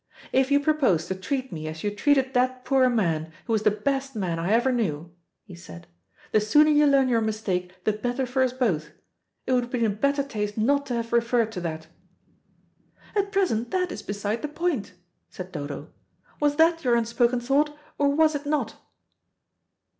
"If you propose to treat me as you treated that poor man, who was the best man I ever knew," he said, "the sooner you learn your mistake the better for us both. It would have been in better taste not to have referred to that." "At present that is beside the point," said Dodo. "Was that your unspoken thought, or was it not?"